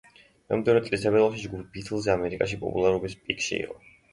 მომდევნო წლის თებერვალში ჯგუფი „ბითლზი“ ამერიკაში პოპულარობის პიკში იყო.